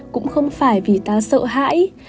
cũng không phải vì ta sợ hãi